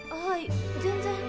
はい全然。